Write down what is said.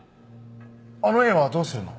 あの絵はどうするの？